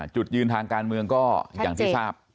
จุดยืนทางการเมืองก็อย่างที่ทราบ